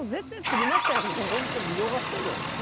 本当見逃したんじゃないですか？